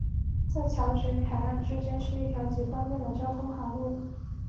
在礁群与海岸之间是一条极方便的交通海路。